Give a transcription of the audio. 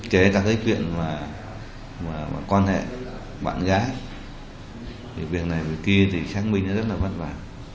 kể cả cái chuyện quan hệ bạn gái thì việc này việc kia thì xác minh rất là vất vả